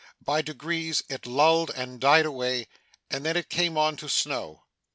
By degrees it lulled and died away, and then it came on to snow.